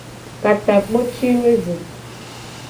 Ka takpo ci wo eve.